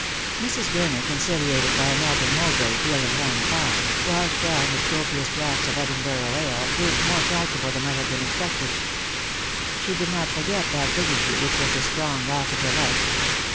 Mbs. Gtjknee, conciliated by a Melton Mowbray veal and ham pie, washed down with copious draughts of Edinburgh ale, proved more tractable than might have been expected. She did not forget that dignity which was the strong rock of her life.